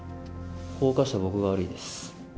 法を犯した僕が悪いです。